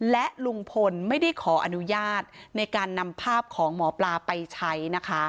และลุงพลไม่ได้ขออนุญาตในการนำภาพของหมอปลาไปใช้นะคะ